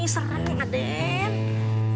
serahkan nih aden